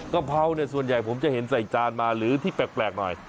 กะเพราเนี่ยส่วนใหญ่ผมจะเห็นใส่จานมาหรือที่แปลกหน่อย